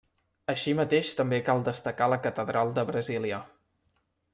Així mateix també cal destacar la Catedral de Brasília.